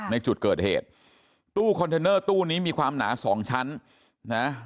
ในจุดเกิดเหตุตู้คอนเทนเนอร์ตู้นี้มีความหนาสองชั้นนะ